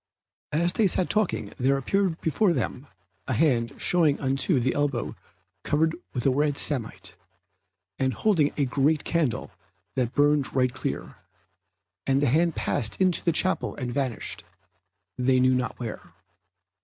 As they sat talking there appeared before them a hand showing unto the elbow covered with red samite, and holding a great candle that burned right clear; and the hand passed into the chapel and vanished, they knew not where.